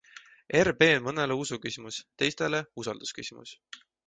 RB on mõnele usuküsimus, teistele usaldusküsimus.